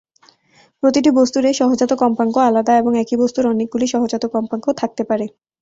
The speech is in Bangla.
প্রতিটি বস্তুর এই সহজাত কম্পাঙ্ক আলাদা এবং একই বস্তুর অনেকগুলি সহজাত কম্পাঙ্ক থাকতে পারে।